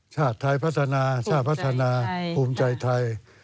ชาติไทยพัฒนาชาติพัฒนาภูมิใจไทย